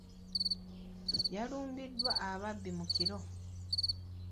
Yalumbiddwa ababbi mu kiro.